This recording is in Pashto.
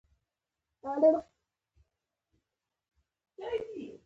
بغلان او هرات کې خامک او ګلدوزي دود شته.